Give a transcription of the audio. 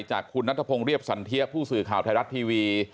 จากคุณนัทพงศ์เรียบสันเทียผู้สื่อข่าวไทยรัฐทีวี